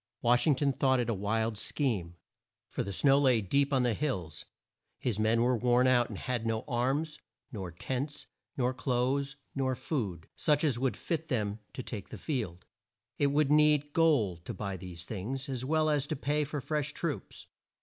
Wash ing ton thought it a wild scheme; for the snow lay deep on the hills, his men were worn out, and had no arms, nor tents, nor clothes, nor food, such as would fit them to take the field. It would need gold to buy these things, as well as to pay for fresh troops.